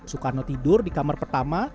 soekarno tidur di kamar pertama